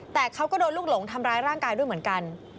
แต่เขาก็โดนลูกหลงทำร้ายร่างกายด้วยเหมือนกัน